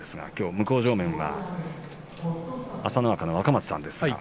向正面が朝乃若の若松さんです。